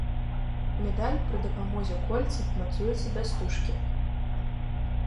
Медаль пры дапамозе кольца мацуецца да стужкі.